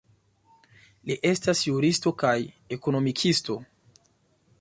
Li estas juristo kaj ekonomikisto.